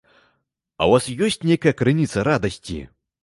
У вас ёсць нейкая крыніца радасці?